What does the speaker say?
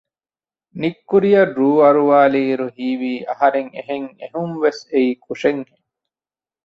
ނިތްކުރިއަށް ރޫ އަރުވާލި އިރު ހީވީ އަހަރެން އެހެން އެހުންވެސް އެއީ ކުށެއް ހެން